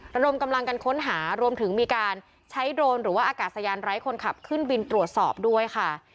ระดมกำลังกันค้นหารวมถึงมีการใช้โดรนหรือว่าอากาศยานไร้คนขับขึ้นบินตรวจสอบด้วยค่ะ